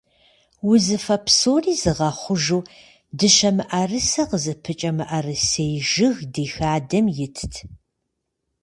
Узыфэ псори зыгъэхъужу дыщэ мыӀэрысэ къызыпыкӀэ мыӀэрысей жыг ди хадэм итт.